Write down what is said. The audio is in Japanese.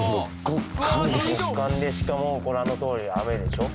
極寒でしかもご覧のとおり雨でしょ